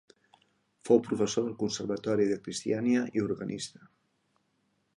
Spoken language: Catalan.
Fou professor del Conservatori de Cristiania i organista.